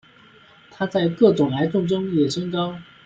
它在各种癌症中也升高。